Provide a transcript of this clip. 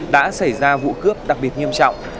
đã xảy ra vụ cướp đặc biệt nghiêm trọng